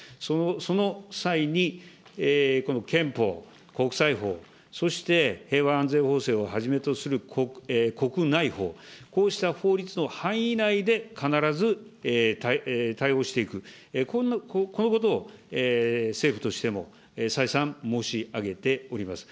その際に、この憲法、国際法、そして平和安全法制をはじめとする国内法、こうした法律の範囲内で必ず対応していく、このことを政府としても、再三申し上げております。